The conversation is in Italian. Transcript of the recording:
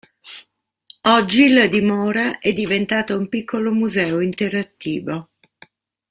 Oggi la dimora è diventata un piccolo museo interattivo.